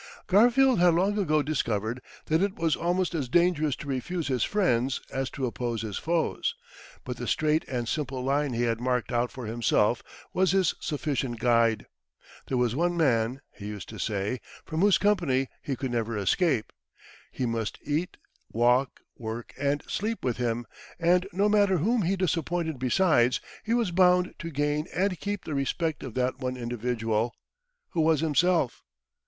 Garfield had long ago discovered that it was almost as dangerous to refuse his friends as to oppose his foes. But the straight and simple line he had marked out for himself was his sufficient guide. There was one man, he used to say, from whose company he could never escape. He must eat, walk, work, and sleep with him; and no matter whom he disappointed besides, he was bound to gain and keep the respect of that one individual, who was himself.